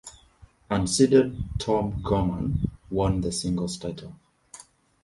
Unseeded Tom Gorman won the singles title.